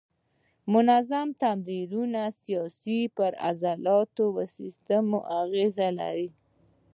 منظم تمرینونه ستاسې پر عضلاتي سیستم اغېزه لري.